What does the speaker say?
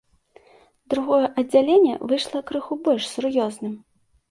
Другое аддзяленне выйшла крыху больш сур'ёзным.